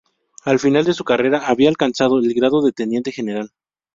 Al final de su carrera había alcanzado el grado de Teniente general.